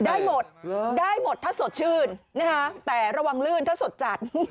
ได้หมดได้หมดถ้าสดชื่นนะคะแต่ระวังลื่นถ้าสดจัด